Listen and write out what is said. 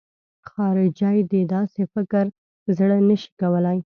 خارجي د داسې فکر زړه نه شي کولای.